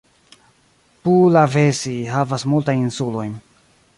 Puulavesi havas multajn insulojn.